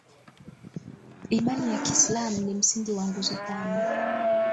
imani ya kiislamu ni msingi wa nguzo tano